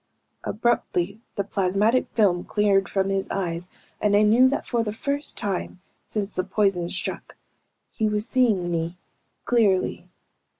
Abruptly the plasmatic film cleared from his eyes and I knew that for the first time, since the poison struck, he was seeing me, clearly.